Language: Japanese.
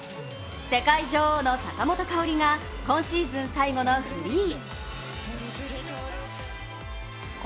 世界女王の坂本花織が今シーズン最後のフリー。